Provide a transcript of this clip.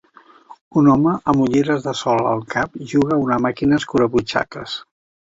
Un home amb ulleres de sol al cap juga a una màquina escurabutxaques.